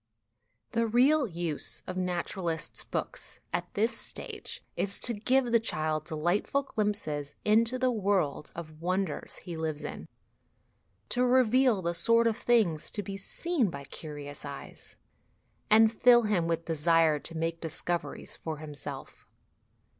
The real use of naturalists' books at this stage is to give the child delightful glimpses into the world of wonders he lives in, to reveal the sort of things to be seen by curious eyes, and fill him with desire to make discoveries for himself.